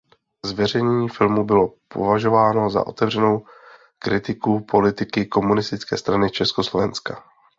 Zveřejnění filmu bylo považovalo za otevřenou kritiku politiky Komunistické strany Československa.